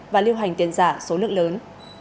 và lưu hành tiền giả số lượng lớn